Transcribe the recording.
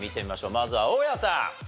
まずは大家さん。